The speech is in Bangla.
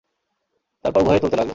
তারপর উভয়ে চলতে লাগল।